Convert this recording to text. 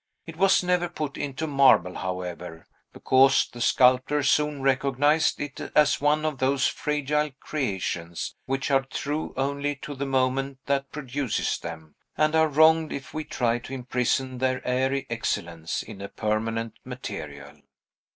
It was never put into marble, however, because the sculptor soon recognized it as one of those fragile creations which are true only to the moment that produces them, and are wronged if we try to imprison their airy excellence in a permanent material.